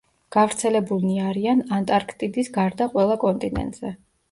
გავრცელებულნი არიან ანტარქტიდის გარდა ყველა კონტინენტზე.